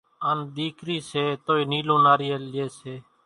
ان ۮيڪري سي توئي نيلون ناريل لئي سي،